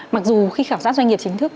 mặc dù khi khảo sát doanh nghiệp chính thức